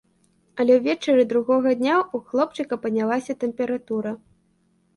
Але ўвечары другога дня ў хлопчыка паднялася тэмпература.